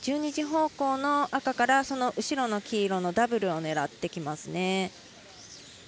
１２時方向の赤からその後ろの黄色のダブルを狙ってきますね。